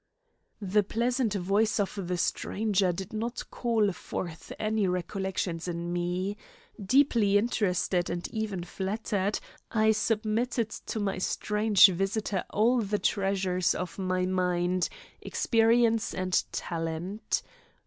The pleasant voice of the stranger did not call forth any recollections in me. Deeply interested and even flattered, I submitted to my strange visitor all the treasures of my mind, experience and talent.